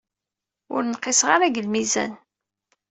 Ur nqiseɣ ara deg lmizan.